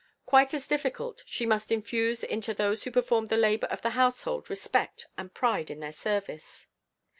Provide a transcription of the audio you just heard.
Quite as difficult, she must infuse into those who performed the labor of the household respect and pride in their service.